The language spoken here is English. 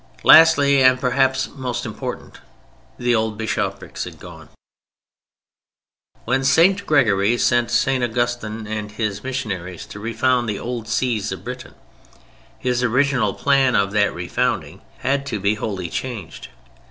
Lastly, and perhaps most important, the old bishoprics had gone. When St. Gregory sent St. Augustine and his missionaries to refound the old Sees of Britain, his original plan of that refounding had to be wholly changed.